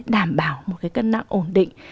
đảm bảo một cái cân nặng ổn định